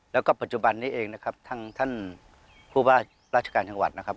แล้วก็ปัจจุบันนี้เองนะครับทางท่านผู้ว่าราชการจังหวัดนะครับ